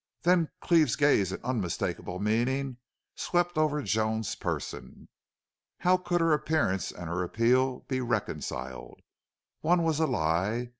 Then Cleve's gaze in unmistakable meaning swept over Joan's person. How could her appearance and her appeal be reconciled? One was a lie!